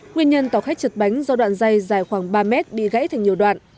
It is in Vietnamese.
nguyên nhân tàu khách chật bánh do đoạn dây dài khoảng ba mét bị gãy thành nhiều đoạn